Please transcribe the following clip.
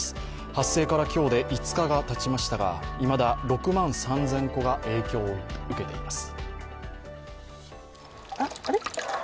発生から今日で５日がたちましたがいまだ６万３０００戸が影響を受けています。